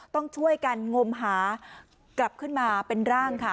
ต้องช่วยกันงมหากลับขึ้นมาเป็นร่างค่ะ